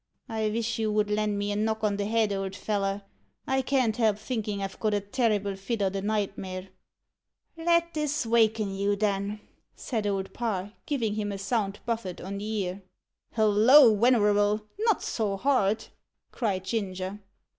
"I vish you would lend me a knock on the head, old feller. I can't help thinkin' I've got a terrible fit o' the nightmare." "Let this waken you, then," said Old Parr, giving him a sound buffet on the ear. "Holloa, wenerable! not so hard!" cried Ginger.